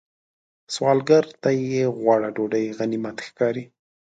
سوالګر ته یو غوړه ډوډۍ غنیمت ښکاري